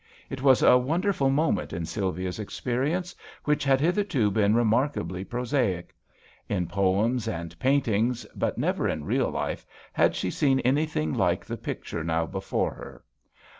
It was a wonderful moment in Sylvia's experience, which had 5 66 THE VIOLIN OBBLIGATO. hitherto been remarkably pro saic In poems and paintings^ but never in real life, had she seen anything like the picture now before her.